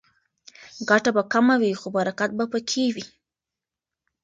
ګټه به کمه وي خو برکت به پکې وي.